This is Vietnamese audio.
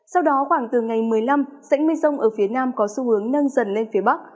sau đó khoảng từ ngày một mươi năm dãnh mưa rông ở phía nam có xu hướng nâng dần lên phía bắc